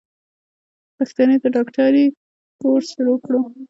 پښتنې د ډاکټرۍ کورس شروع کړو.